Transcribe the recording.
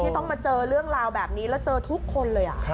ต้องมาเจอเรื่องราวแบบนี้แล้วเจอทุกคนเลย